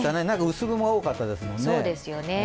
薄雲が多かったですもんね。